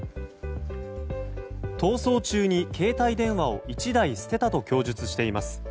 逃走中に携帯電話を１台捨てたと供述しています。